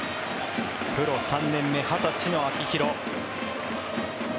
プロ３年目、２０歳の秋広。